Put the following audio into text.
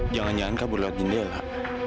jangan jangan kau berlewat jendela